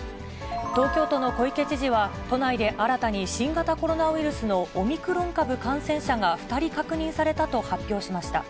東京都の小池知事は、都内で新たに新型コロナウイルスのオミクロン株感染者が２人確認されたと発表しました。